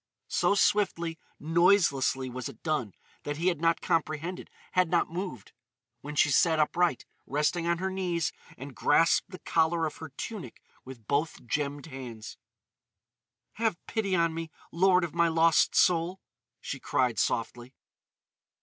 So swiftly, noiselessly was it done that he had not comprehended—had not moved—when she sat upright, resting on her knees, and grasped the collar of her tunic with both gemmed hands. "Have pity on me, lord of my lost soul!" she cried softly.